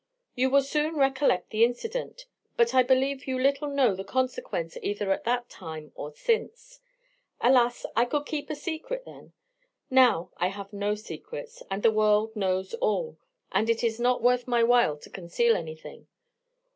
You will soon recollect the incident; but I believe you little know the consequence either at that time or since. Alas! I could keep a secret then! now I have no secrets; the world knows all; and it is not worth my while to conceal anything.